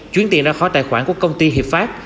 chuyển tiền ra khỏi tài khoản của công ty hiệp pháp